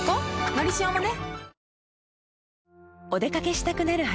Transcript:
「のりしお」もね